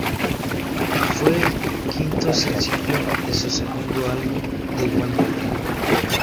Fue el quinto sencillo de su segundo álbum "de igual nombre".